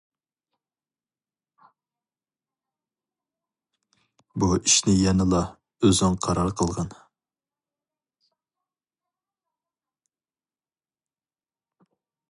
بۇ ئىشنى يەنىلا ئۈزۈڭ قارار قىلغىن.